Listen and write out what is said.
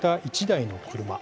１台の車。